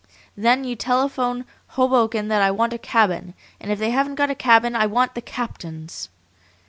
Then you telephone Hoboken that I want a cabin, and if they haven't got a cabin I want the captain's.